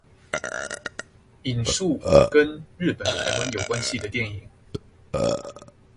引述跟日本台灣有關係的電影